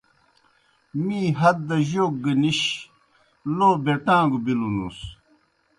می ہت دہ جوک گہ نِش، لو بیٹان٘گوْ بِلوْنُس۔